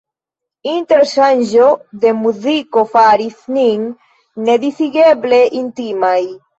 Interŝanĝo de muziko faris nin nedisigeble intimaj.